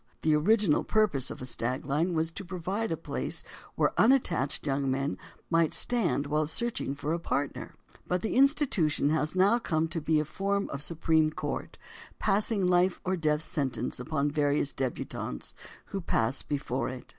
The original purpose of a "stag line" was to provide a place where unattached young men might stand while searching for a partner, but the institution has now come to be a form of Supreme Court, passing life or death sentence upon the various debutantes who pass before it.